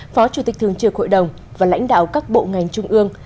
phó chủ tịch thường trực hội đồng và lãnh đạo các bộ ngành trung ương